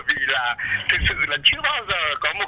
riêng cá nhân tôi một